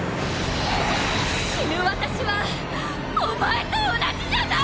死ぬ私はお前と同じじゃない！